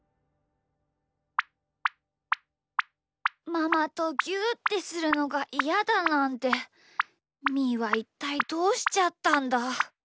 ママとぎゅうってするのがイヤだなんてみーはいったいどうしちゃったんだ？